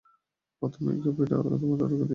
প্রথমে এই কফিটা তোমার দাদুকে দিয়ে আসো।